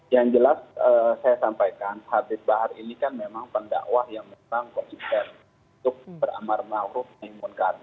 yang jelas saya sampaikan hadris bahar ini kan memang pendakwah yang menangkut insen untuk beramal mahrum dan imunkan